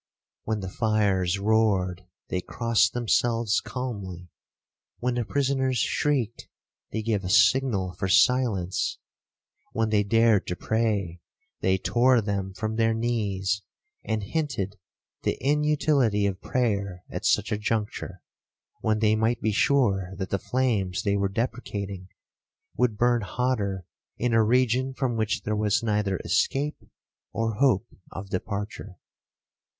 When the fires roared, they crossed themselves calmly;—when the prisoners shrieked, they gave a signal for silence;—when they dared to pray, they tore them from their knees, and hinted the inutility of prayer at such a juncture, when they might be sure that the flames they were deprecating would burn hotter in a region from which there was neither escape or hope of departure.